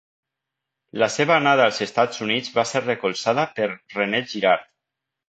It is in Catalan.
La seva anada als Estats Units va ser recolzada per René Girard.